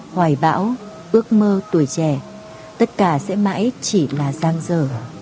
hoài bão ước mơ tuổi trẻ tất cả sẽ mãi chỉ là giang dở